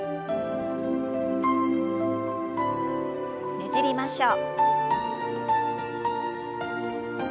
ねじりましょう。